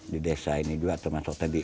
di desa ini juga termasuk tadi